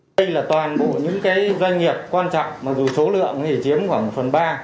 đây là toàn bộ những doanh nghiệp quan trọng mặc dù số lượng chỉ chiếm khoảng phần ba